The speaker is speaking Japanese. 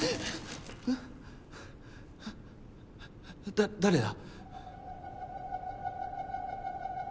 だ誰だ！？